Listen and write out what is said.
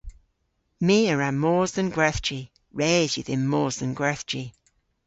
My a wra mos dhe'n gwerthji. Res yw dhymm mos dhe'n gwerthji.